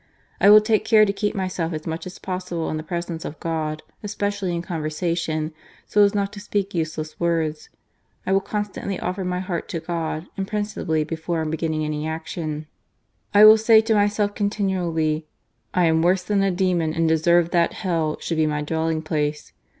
" I will take care to keep myself as much as possible in the presence of God, especially in con versation, so as not to speak useless words. I will constantly offer my heart to God, and principally before beginning any action. " I will say to myself continually : I am worse than a demon and deserve that Hell should be my dwelling place.